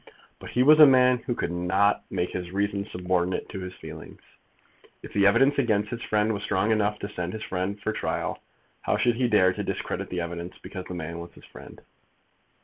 But he was a man who could not make his reason subordinate to his feelings. If the evidence against his friend was strong enough to send his friend for trial, how should he dare to discredit the evidence because the man was his friend?